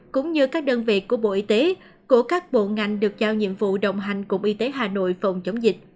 cũng như các đơn vị của bộ y tế của các bộ ngành được giao nhiệm vụ đồng hành cùng y tế hà nội phòng chống dịch